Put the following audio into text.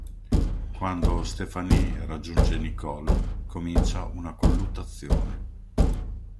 Quando Stephanie raggiunge Nicole comincia una colluttazione.